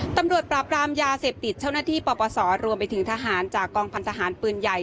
ตำรวจปราบรามยาเสพติดเจ้าหน้าที่ปปศรวมไปถึงทหารจากกองพันธหารปืนใหญ่